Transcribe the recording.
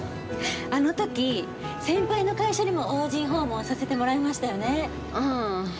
あの時、先輩の会社にもＯＧ訪問させてもらいましたよね。